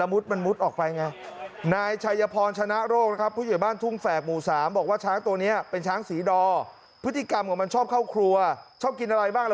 มันชอบเข้าครัวชอบกินอะไรบ้างล่ะ